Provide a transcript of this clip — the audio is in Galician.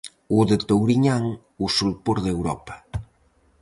O de Touriñán, o solpor de Europa.